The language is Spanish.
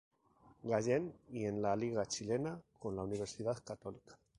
Gallen y en la liga chilena con la Universidad Católica.